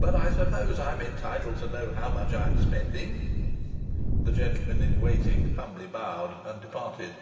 "But I suppose I'm entitled to know how much I'm spending!" The gentleman in waiting humbly bowed and departed.